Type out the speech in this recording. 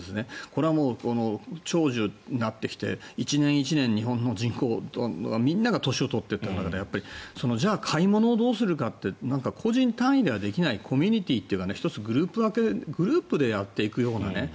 これは長寿になってきて１年１年日本の人口みんなが年を取っていく中でじゃあ買い物をどうするかってなんか個人単位ではできないコミュニティーというか１つ、グループでやっていくようなね。